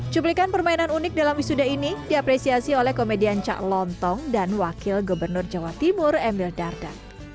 cuplikan permainan unik dalam wisuda ini diapresiasi oleh komedian cak lontong dan wakil gubernur jawa timur emil dardak